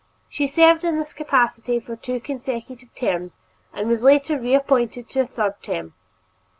She served in this capacity for two consecutive terms and was later reappointed to a third term.